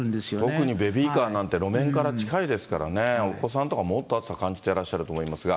特にベビーカーなんて路面から近いですからね、お子さんとかもっと暑さ感じてらっしゃると思いますが。